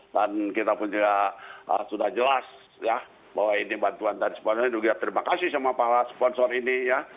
dan kita pun juga sudah jelas ya bahwa ini bantuan dari sponsornya juga terima kasih sama para sponsor ini ya